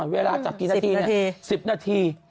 เวลาจับ๑๐นาที